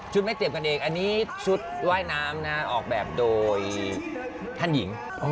ไม่เตรียมกันเองอันนี้ชุดว่ายน้ำนะออกแบบโดยท่านหญิง